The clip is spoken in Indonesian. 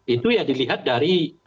itu ya dilihat dari